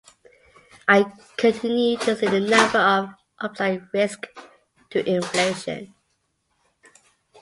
I continue to see a number of upside risks to inflation.